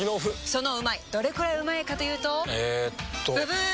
そのうまいどれくらいうまいかというとえっとブブー！